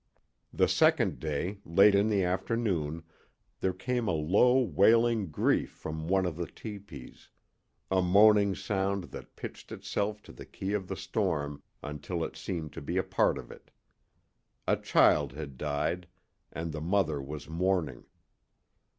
The second day, late in the afternoon, there came a low wailing grief from one of the tepees, a moaning sound that pitched itself to the key of the storm until it seemed to be a part of it. A child had died, and the mother was mourning.